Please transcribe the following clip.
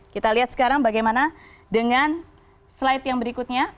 kita lihat sekarang bagaimana dengan slide yang berikutnya